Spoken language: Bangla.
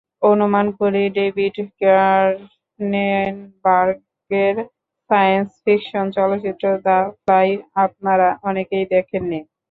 অনুমান করি, ডেভিড ক্রনেনবার্গের সায়েন্স ফিকশন চলচ্চিত্র দ্য ফ্লাই আপনারা অনেকেই দেখেননি।